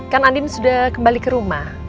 kan andin sudah kembali ke rumah